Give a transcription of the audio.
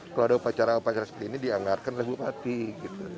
kalau ada upacara upacara seperti ini dianggarkan oleh bupati gitu